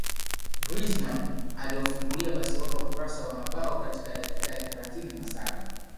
Griezmann aliwafungulia Barcelona ukurasa wa mabao katika dakika ya thelathini na saba